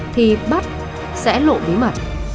thì bắt sẽ lộ bí mật